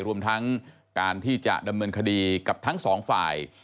รวมทั้งการที่จะดำเนินคดีกับทั้งสองฝ่าย